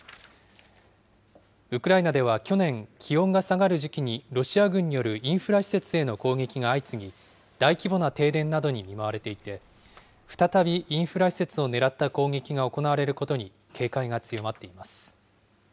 ウクライナでは去年、気温が下がる時期にロシア軍によるインフラ施設への攻撃が相次ぎ、大規模な停電などに見舞われていて、再びインフラ施設を狙った攻撃が行われることに警戒が強まっています。